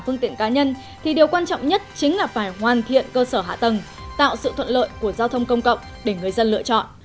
phương tiện cá nhân thì điều quan trọng nhất chính là phải hoàn thiện cơ sở hạ tầng tạo sự thuận lợi của giao thông công cộng để người dân lựa chọn